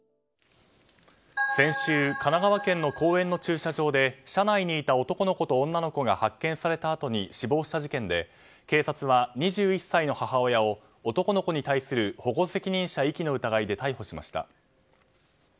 先週、神奈川県の公園の駐車場で車内にいた男の子と女の子が発見されたあとに死亡した事件で警察は２１歳の母親を男の子に対する保護責任者遺棄の疑いで逮捕しました。